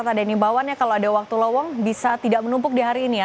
ada nimbawannya kalau ada waktu lowong bisa tidak menumpuk di hari ini ya